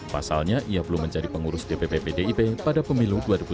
pasalnya ia belum menjadi pengurus dpp pdip pada pemilu dua ribu sembilan belas